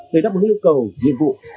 để đáp ứng yêu cầu nhiệm vụ